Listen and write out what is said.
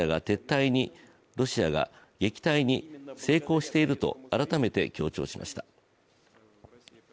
ロシアが撃退に成功していると改めて強調しました。